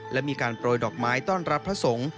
และมีการโปรยดอกไม้ต้อนรับพระสงฆ์